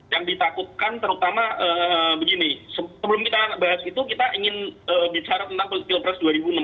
yang ditakutkan terutama begini sebelum kita bahas itu kita ingin bicara tentang pilpres dua ribu dua puluh